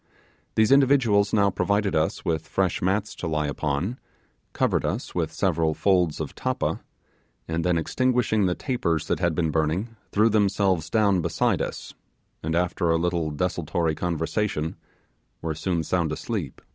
These individuals now provided us with fresh mats to lie upon, covered us with several folds of tappa, and then extinguishing the tapers that had been burning, threw themselves down beside us, and after a little desultory conversation were soon sound asleep.